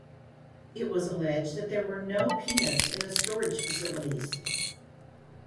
It was alleged that there were no peanuts in the storage facilities.